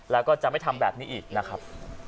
แล้วก็จะไม่ทำแบบนี้อีกนะครับ